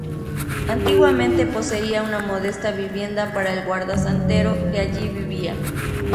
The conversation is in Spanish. Antiguamente poseía una modesta vivienda para el guarda-santero que allí vivía.